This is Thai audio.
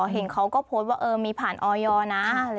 เห็นเขาก็โพสต์ว่ามีผ่านออยนะ